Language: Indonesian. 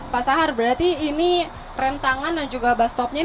pasar berarti ini rem tangan dan juga bus topnya ini